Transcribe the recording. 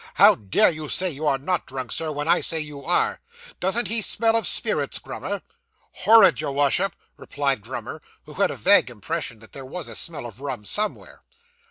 'How dare you say you are not drunk, Sir, when I say you are? Doesn't he smell of spirits, Grummer?' 'Horrid, your Wash up,' replied Grummer, who had a vague impression that there was a smell of rum somewhere.